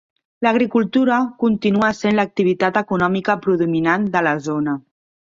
L'agricultura continua sent l'activitat econòmica predominant de la zona.